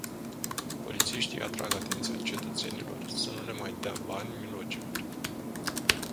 Polițiștii atrag atenția cetățenilor să nu le mai dea bani milogilor.